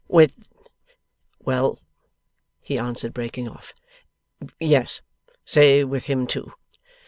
'With well,' he answered, breaking off, 'yes! Say with him too.